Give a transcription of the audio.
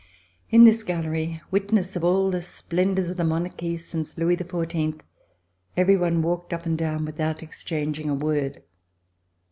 In this Gallery, witness of all the splendors of the monarchy since Louis XIV, every one walked up and down without exchanging a word.